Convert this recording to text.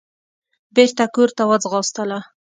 بېرته کورته وځغاستله.